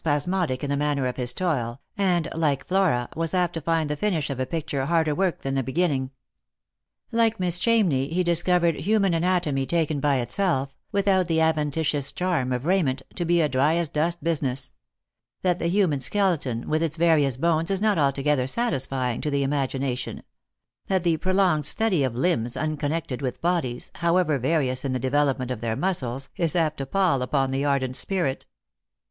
ismodic in the manner of his toil, and, like Flora, was apt to find the finish of a picture harder work than the beginning. Like Miss Chamney, he discovered human anatomy taken by itself, without the ad ventitious charm of raiment, to be a dryasdust business ; that the human skeleton with its various bones is not altogether satisfying to the imagination ; that the prolonged study of limbs unconnected with bodies, however various in the develop ment of their muscles, is apt to pall upon the ardent spirit.